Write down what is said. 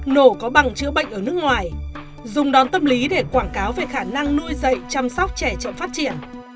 nổ có bằng chữa bệnh ở nước ngoài dùng đòn tâm lý để quảng cáo về khả năng nuôi dạy chăm sóc trẻ chậm phát triển